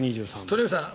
鳥海さん